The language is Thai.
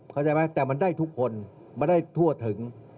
เข้าใจไหมแต่มันได้ทุกคนมันได้ทั่วถึง